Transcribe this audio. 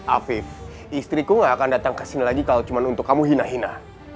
afif istriku gak akan datang ke sini lagi kalau cuma untuk kamu hina hina